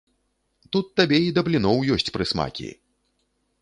Тут табе і да бліноў ёсць прысмакі!